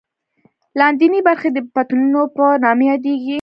لاندینۍ برخې یې د بطنونو په نامه یادېږي.